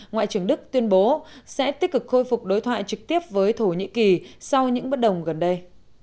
ngoại trưởng đức tuyên bố sẽ tích cực khôi phục đối thoại trực tiếp với thổ nhĩ kỳ sau những bất đồng gần đây